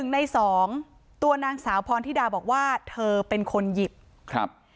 ๑ใน๒ตัวนางสาวพรธิดาบอกว่าเธอเป็นคนหยิบ